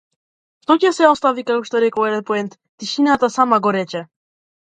Што ќе се остави како што рекол еден поет тишината сама да го рече.